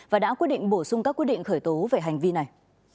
và đã quyết định bổ sung các quyết định khởi tố về hành vi này